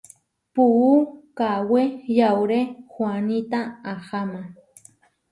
Puú kawé yauré huaníta aháma.